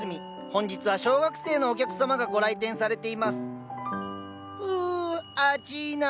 本日は小学生のお客様がご来店されていますふあちな。